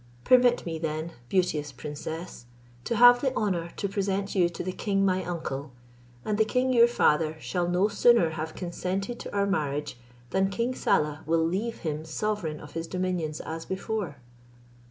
Permit me then, beauteous princess! to have the honour to present you to the king my uncle; and the king your father shall no sooner have consented to our marriage, than King Saleh will leave him sovereign of his dominions as before."